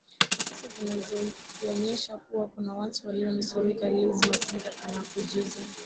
kwa sasa zinavyonyesha kuwa kuna watu walionusurika liz masinga anakujuza